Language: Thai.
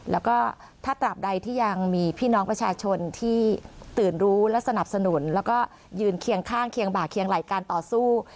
แล้วก็ถ้าตราบใดที่ยังมีพี่น้องประชาชนที่ตื่นรู้และสนับสนุนแล้วก็ยืนเคียงข้างเคียงบ่าเคียงไหล่การต่อสู้